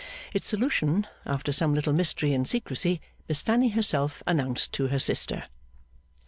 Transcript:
Its solution, after some little mystery and secrecy, Miss Fanny herself announced to her sister.